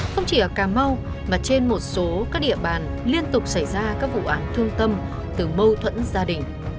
không chỉ ở cà mau mà trên một số các địa bàn liên tục xảy ra các vụ án thương tâm từ mâu thuẫn gia đình